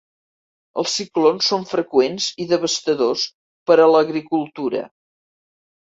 Els ciclons són freqüents i devastadors per a l'agricultura.